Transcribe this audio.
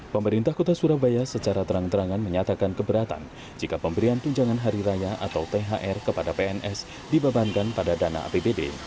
pemerintah kota surabaya secara terang terangan menyatakan keberatan jika pemberian tunjangan hari raya atau thr kepada pns dibebankan pada dana apbd